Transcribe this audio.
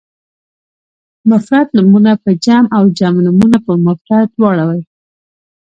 مفرد نومونه په جمع او جمع نومونه په مفرد واړوئ.